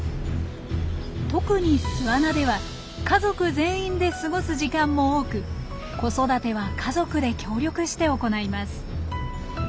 特に巣穴では家族全員で過ごす時間も多く子育ては家族で協力して行います。